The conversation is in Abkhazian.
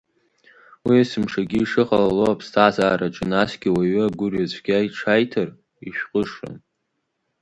Уи есымшагьы ишыҟалало аԥсҭазаараҿы, насгьы уаҩы агәырҩацәгьа иҽаиҭар ишҟәышрам…